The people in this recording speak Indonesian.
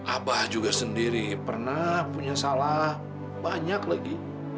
abah juga sendiri pernah punya salah banyak lagi